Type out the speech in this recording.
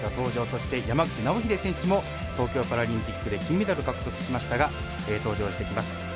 そして、山口尚秀選手も東京パラリンピックで金メダル獲得しましたが登場してきます。